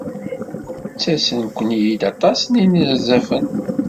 Ttasen-ken-id aṭas n yinerzafen?